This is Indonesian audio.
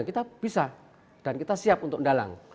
kita bisa dan kita siap untuk dalang